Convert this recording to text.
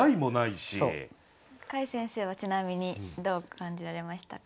櫂先生はちなみにどう感じられましたか？